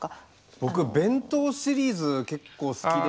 僕は弁当シリーズ結構好きで。